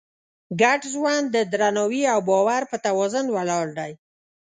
ګډ ژوند د درناوي او باور په توازن ولاړ دی.